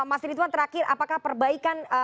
mas ridwan terakhir apakah perbaikan